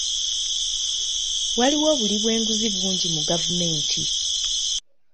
Waliwo obuli bw'enguzi bungi mu gavumenti.